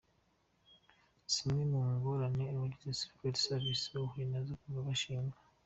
Zimwe mu ngorane abagize Secret Service bahuye nazo kuva yashingwa.